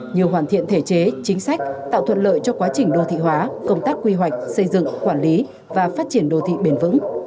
như hoàn thiện thể chế chính sách tạo thuận lợi cho quá trình đô thị hóa công tác quy hoạch xây dựng quản lý và phát triển đô thị bền vững